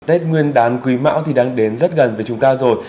tết nguyên đán quý mão thì đang đến rất gần với chúng ta rồi